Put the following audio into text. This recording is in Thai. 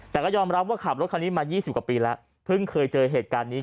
แต่ก็ยอมรับว่าขับรถคันนี้มา๒๐กว่าปีแล้วเพิ่งเคยเจอเหตุการณ์นี้